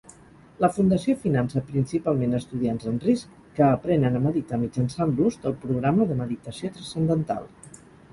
La fundació finança principalment estudiants en risc que aprenen a meditar mitjançant l'ús del programa de meditació trascendental.